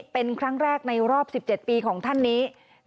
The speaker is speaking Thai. เป็นครั้งแรกในรอบ๑๗ปีของท่านนี้